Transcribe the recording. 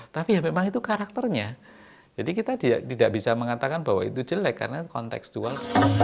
tapi ya memang itu karakternya jadi kita tidak bisa mengatakan bahwa itu jelek karena konteksual